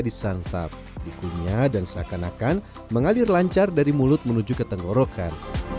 disantap dikunyah dan seakan akan mengalir lancar dari mulut menuju ke tenggorokan